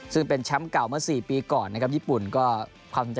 ซึ่งเป็นช้ำเก่าเมื่อสี่ปีก่อนนะครับญี่ปุ่นก็ความสนใจจากสื่อเนี่ยเยอะมากนะครับ